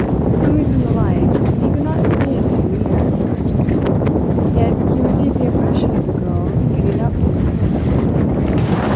Coming from the light, he could not see a thing in there at first; yet he received the impression of the girl getting up from the floor.